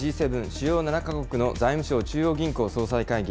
・主要７か国の財務相・中央銀行総裁会議。